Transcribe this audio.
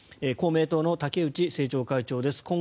公明党の竹内政調会長です。